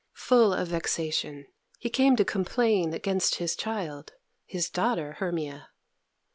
Full of vexation, he came to complain against his child, his daughter Hermia.